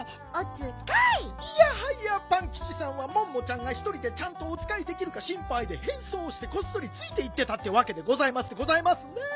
いやはやパンキチさんはモンモちゃんがひとりでちゃんとおつかいできるかしんぱいでへんそうしてこっそりついていってたってわけでございますでございますね。